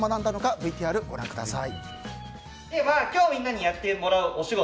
ＶＴＲ、ご覧ください。